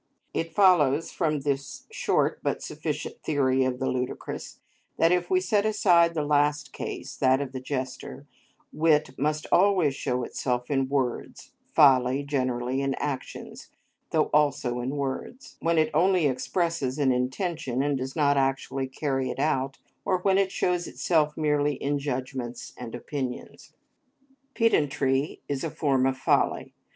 It follows from this short but sufficient theory of the ludicrous, that, if we set aside the last case, that of the jester, wit must always show itself in words, folly generally in actions, though also in words, when it only expresses an intention and does not actually carry it out, or when it shows itself merely in judgments and opinions. Pedantry is a form of folly.